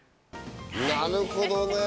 なるほどね。